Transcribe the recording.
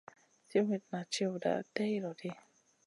Siwitna tchiwda tay lo ɗi.